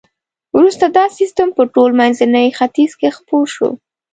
وروسته دا سیستم په ټول منځني ختیځ کې خپور شو.